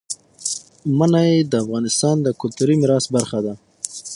منی د افغانستان د کلتوري میراث برخه ده.